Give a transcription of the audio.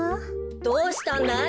どうしたんだい？